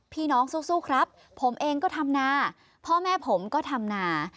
สู้ครับผมเองก็ทำนาพ่อแม่ผมก็ทำนา